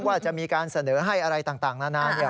ว่าจะมีการเสนอให้อะไรต่างนานา